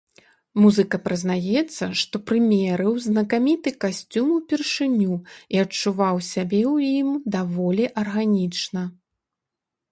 Музыка прызнаецца, што прымерыў знакаміты касцюм упершыню і адчуваў сябе ў ім даволі арганічна.